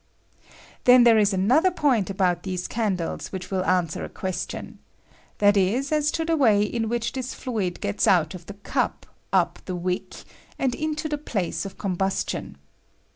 Then there is another point about these can dles which will answer a question— that is, as to the way in which this fluid gets out of the cup, up the wick, and into the place of com tustiou.